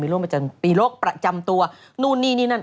มีร่วมปีโรคประจำตัวนู่นนี่นี่นั่น